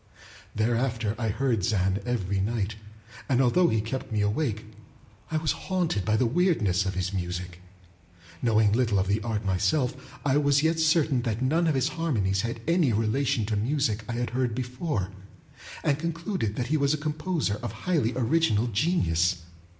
Thereafter I heard Zann every night, and although he kept me awake, I was haunted by the weirdness of his music. Knowing little of the art myself, I was yet certain that none of his harmonies had any relation to music I had heard before; and concluded that he was a composer of highly original genius.